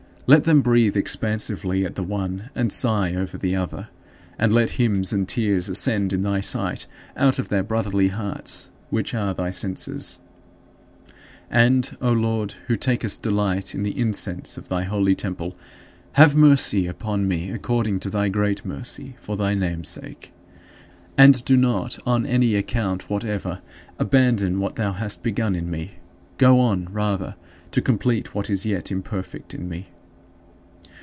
Let them breathe expansively at the one and sigh over the other. And let hymns and tears ascend in thy sight out of their brotherly hearts which are thy censers. And, O Lord, who takest delight in the incense of thy holy temple, have mercy upon me according to thy great mercy, for thy name's sake. And do not, on any account whatever, abandon what thou hast begun in me. Go on, rather, to complete what is yet imperfect in me.